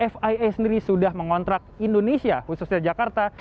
fia sendiri sudah mengontrak indonesia khususnya jakarta